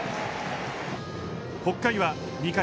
北海は、２回。